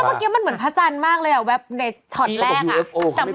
เมื่อกี้มันเหมือนพระจันทร์มากเลยเว็บในฉอดแรก